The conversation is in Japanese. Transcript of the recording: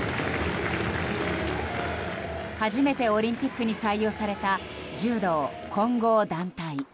初めてオリンピックに採用された柔道混合団体。